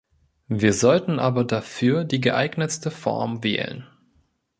Wir sollten aber dafür die geeignetste Form wählen.